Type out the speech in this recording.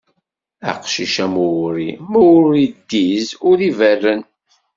Aqcic am uwri, ma ur iddiz, ur iberren.